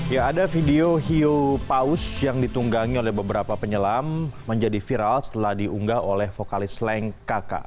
ya ada video hiu paus yang ditunggangi oleh beberapa penyelam menjadi viral setelah diunggah oleh vokalis slang kk